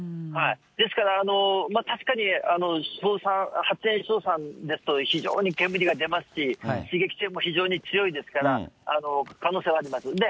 ですから確かに硝酸、発煙硝酸ですと非常に煙が出ますし、刺激性も非常に強いですから、可能性はあります。